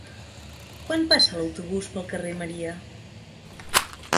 Quan passa l'autobús pel carrer Maria?